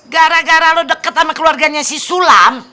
gara gara lo deket sama keluarganya si sulam